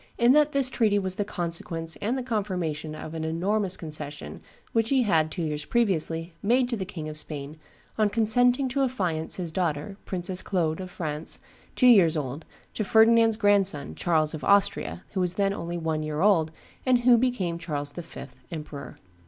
in that this treaty was the consequence and the confirmation of an enormous concession which he had, two years previously, made to the King of Spain on consenting to affiance his daughter, Princess Claude of France, two years old, to Ferdinand's grandson, Charles of Austria, who was then only one year old, and who became Charles the Fifth (emperor)!